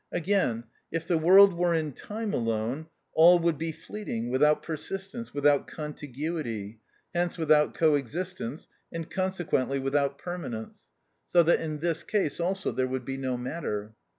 Again, if the world were in time alone, all would be fleeting, without persistence, without contiguity, hence without co existence, and consequently without permanence; so that in this case also there would be no matter.